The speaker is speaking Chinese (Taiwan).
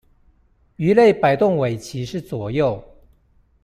魚類擺動尾鰭是左右